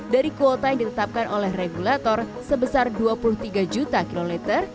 dari kuota yang ditetapkan oleh regulator sebesar dua puluh tiga juta kiloliter